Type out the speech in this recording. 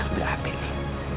belah abik nih